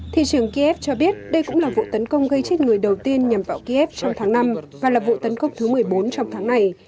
thị trường kiev cho biết đây cũng là vụ tấn công gây chết người đầu tiên nhằm vào kiev trong tháng năm và là vụ tấn công thứ một mươi bốn trong tháng này